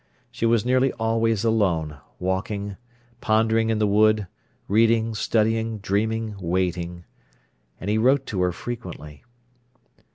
She was nearly always alone, walking, pondering in the wood, reading, studying, dreaming, waiting. And he wrote to her frequently.